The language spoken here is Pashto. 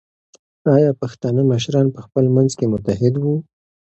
ایا پښتانه مشران په خپل منځ کې متحد وو؟